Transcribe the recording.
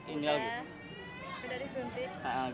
iya udah disuntik